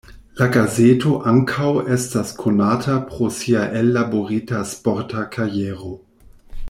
La gazeto ankaŭ estas konata pro sia ellaborita sporta kajero.